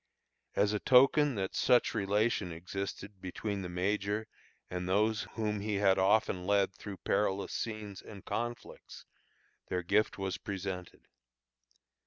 As a token that such relation existed between the major and those whom he had often led through perilous scenes and conflicts, their gift was presented.